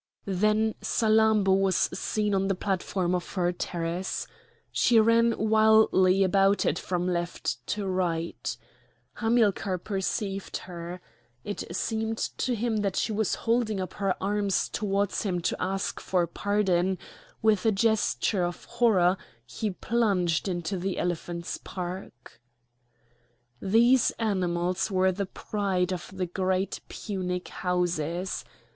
Then Salammbô was seen on the platform of her terrace. She ran wildly about it from left to right. Hamilcar perceived her. It seemed to him that she was holding up her arms towards him to ask for pardon; with a gesture of horror he plunged into the elephants' park. These animals were the pride of the great Punic houses.